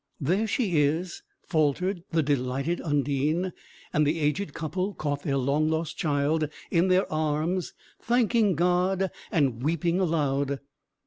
"There she is," faltered the delighted Undine, and the aged couple caught their long lost child in their arms, thanking God, and weeping aloud.